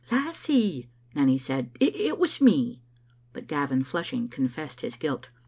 " Lassie," Nanny said, " it was me;" but Gavin, flush ing, confessed his guilt.